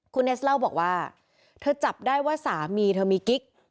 คุณเนสเล่าบอกว่าเธอจับได้ว่าสามีเธอมีกิ๊ก